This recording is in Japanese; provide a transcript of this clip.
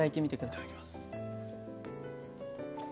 いただきます。